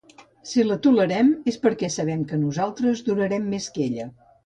Si la tolerem, és perquè sabem que nosaltres durarem més que ella.